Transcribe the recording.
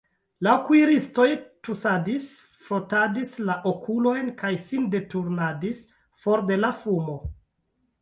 La kuiristoj tusadis, frotadis la okulojn kaj sin deturnadis for de la fumo.